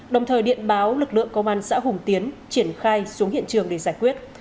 đồng thời điện báo lực lượng công an xã hùng tiến triển khai xuống hiện trường để giải quyết